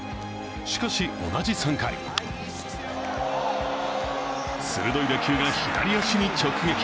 しかし同じ３回鋭い打球が左足に直撃。